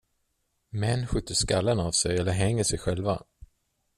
Män skjuter skallen av sig eller hänger sig själva.